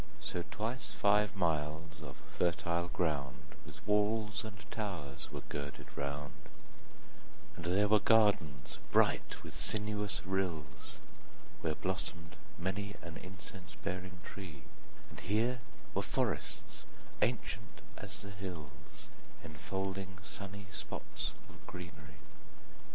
5 So twice five miles of fertile ground With walls and towers were girdled round: And there were gardens bright with sinuous rills Where blossom'd many an incense bearing tree; And here were forests ancient as the hills, 10 Enfolding sunny spots of greenery.